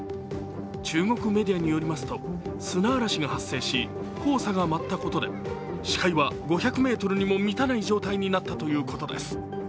中国メディアによりますと砂嵐が発生し、黄砂が舞ったことで視界は５００ｍにも満たない状態になったということです。